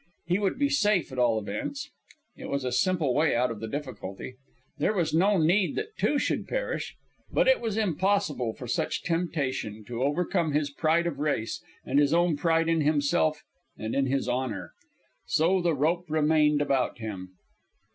He would be safe at all events. It was a simple way out of the difficulty. There was no need that two should perish. But it was impossible for such temptation to overcome his pride of race, and his own pride in himself and in his honor. So the rope remained about him.